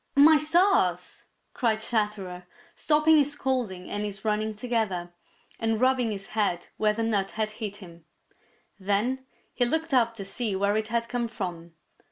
"My stars!" cried Chatterer, stopping his scolding and his running together, and rubbing his head where the nut had hit him. Then he looked up to see where it had come from.